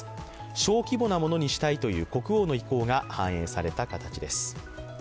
小規模なものにしたいという国王の意向が反映された形です。